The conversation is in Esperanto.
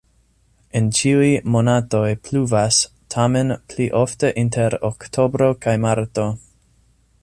En ĉiuj monatoj pluvas, tamen pli ofte inter oktobro kaj marto.